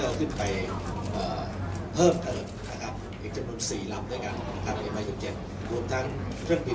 ออกขึ้นไปเขิดเทอม๔หลังด้วยกันฮ๓๗